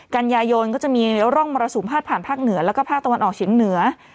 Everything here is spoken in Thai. กันยายนก็จะมีเรื่องร่องมรสูงภาษาผ่านภาคเหนือแล้วก็ภาคตะวันออกชิ้นเหนือ